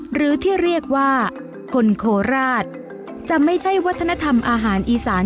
หรือที่เรียกว่าคนโคราชจะไม่ใช่วัฒนธรรมอาหารอีสาน